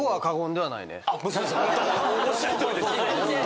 おっしゃるとおりです。